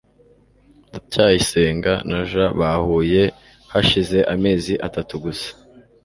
ndacyayisenga na j bahuye hashize amezi atatu gusa